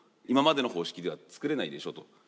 今までの方式では作れないでしょと。